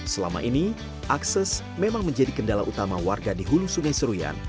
selama ini akses memang menjadi kendala utama warga di hulu sungai seruyan